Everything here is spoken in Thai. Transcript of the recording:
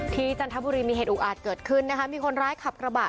จันทบุรีมีเหตุอุอาจเกิดขึ้นนะคะมีคนร้ายขับกระบะ